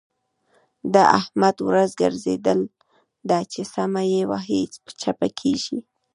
د احمد ورځ ګرځېدل ده؛ چې سمه يې وهي - چپه کېږي.